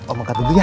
om angkat dulu ya